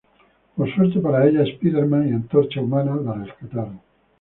Por suerte para ella, Spider-Man y Antorcha Humana la rescataron.